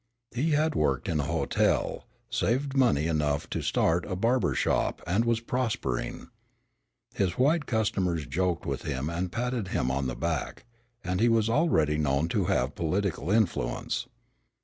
He had worked in a hotel, saved money enough to start a barber shop and was prospering. His white customers joked with him and patted him on the back, and he was already known to have political influence.